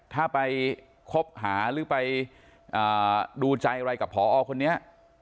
ถ้าไปคบหาหรือไปดูใจอะไรกับพอคนนี้